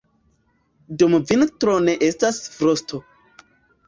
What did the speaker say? Dum vintro ne estas frosto.